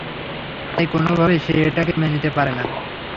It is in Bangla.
তাই কোনভাবেই সে এটাকে মেনে নিতে পারে না।